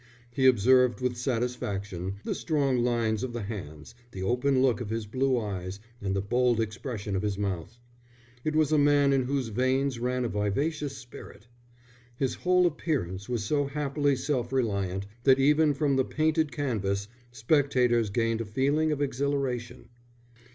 He observed with satisfaction the strong lines of the hands, the open look of his blue eyes, and the bold expression of his mouth. It was a man in whose veins ran a vivacious spirit. His whole appearance was so happily self reliant that even from the painted canvas spectators gained a feeling of exhilaration.